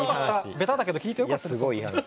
ベタだけど聞いてよかったですよ。